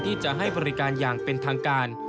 ที่จะให้บริการอย่างเป็นทางการ